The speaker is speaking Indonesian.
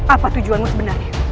apa tujuanmu sebenarnya